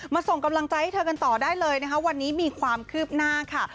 ส่งกำลังใจให้เธอกันต่อได้เลยนะคะวันนี้มีความคืบหน้าค่ะ